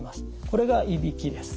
これがいびきです。